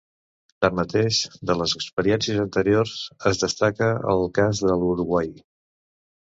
Tanmateix, de les experiències anteriors es destaca el cas de l’Uruguai.